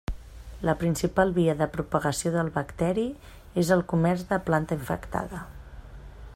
La principal via de propagació del bacteri és el comerç de planta infectada.